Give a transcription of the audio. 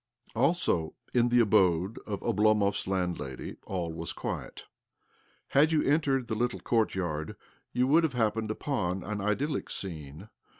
Also in the abode of Oblomov's landlady all was quiet. Had you entered the little courtyard, you would have happened upon 270 OBLOMOV 271 ал idyllic scene.